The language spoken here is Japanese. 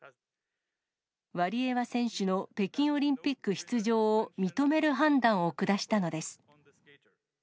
ワリエワ選手の北京オリンピック出場を認める判断を下したのです。